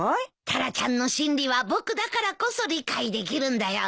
タラちゃんの心理は僕だからこそ理解できるんだよ。